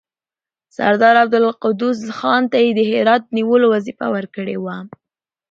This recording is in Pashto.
سردار عبدالقدوس خان ته یې د هرات نیولو وظیفه ورکړې وه.